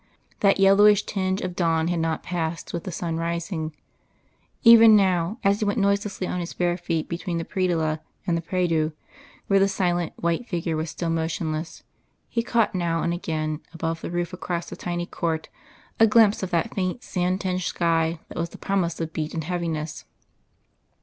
That yellowish tinge of dawn had not passed with the sun rising; even now, as he went noiselessly on his bare feet between the predella and the prie dieu where the silent white figure was still motionless, he caught now and again, above the roof across the tiny court, a glimpse of that faint sand tinged sky that was the promise of beat and heaviness.